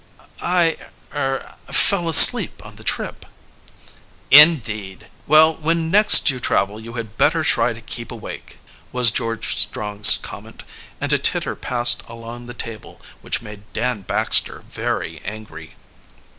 "I er fell asleep on the trip." "Indeed! Well, when next you travel you had better try to keep awake," was George Strong's comment, and a titter passed along the table, which made Dan Baxter very angry.